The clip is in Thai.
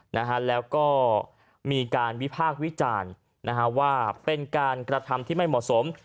นะฮะแล้วก็มีการวิพากษ์วิจารณ์นะฮะว่าเป็นการกระทำที่ไม่เหมาะสม